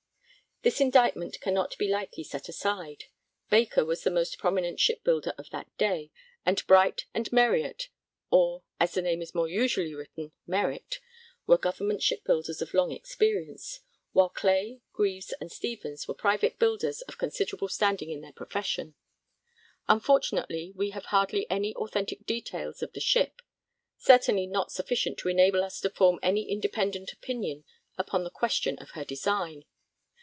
This indictment cannot be lightly set aside. Baker was the most prominent shipbuilder of that day, and Bright and Meryett (or, as the name is more usually written, Meritt) were Government shipbuilders of long experience, while Clay, Greaves, and Stevens were private builders of considerable standing in their profession. Unfortunately we have hardly any authentic details of the ship; certainly not sufficient to enable us to form any independent opinion upon the question of her design.